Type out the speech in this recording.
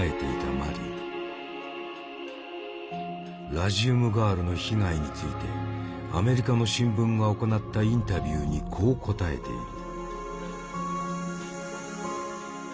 ラジウムガールの被害についてアメリカの新聞が行ったインタビューにこう答えている。